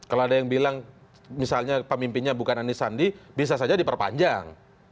kalau ada yang bilang misalnya pemimpinnya bukan anis sandi bisa saja diperpanjang